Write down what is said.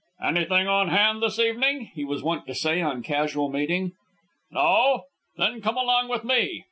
"Anything on hand this evening?" he was wont to say on casual meeting. "No? Then come along with me."